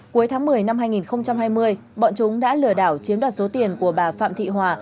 cuối tháng một mươi năm hai nghìn hai mươi bọn chúng đã lừa đảo chiếm đoạt số tiền của bà phạm thị hòa